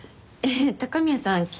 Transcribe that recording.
ええ高宮さん